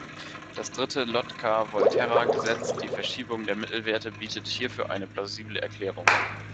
Das dritte Lotka-Volterra-Gesetz, die Verschiebung der Mittelwerte, bietet hierfür eine plausible Erklärung.